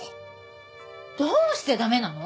どうして駄目なの？